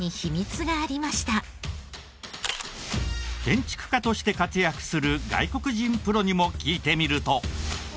建築家として活躍する外国人プロにも聞いてみると。